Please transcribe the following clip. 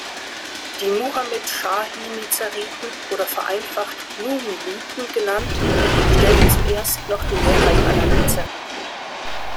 Die Muhammad-Schahi-Nizariten, oder vereinfacht „Mu’miniten“ genannt, stellten zuerst noch die Mehrheit aller Nizariten.